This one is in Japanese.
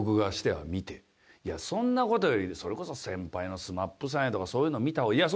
いやそんな事よりそれこそ先輩のＳＭＡＰさんやとかそういうの見た方が。